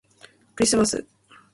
クリスマス